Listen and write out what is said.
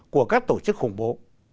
của các tổ chức khủng bố